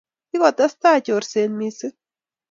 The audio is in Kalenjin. Kikotestai chorset missing